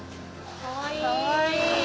かわいい。